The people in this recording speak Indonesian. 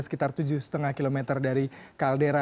sekitar tujuh lima km dari kaldera